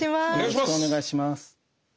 よろしくお願いします。